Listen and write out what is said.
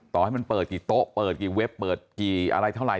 ต่อให้มันเปิดกี่โต๊ะเปิดกี่เว็บเปิดกี่อะไรเท่าไห